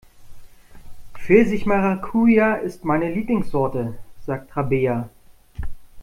Pfirsich-Maracuja ist meine Lieblingssorte, sagt Rabea.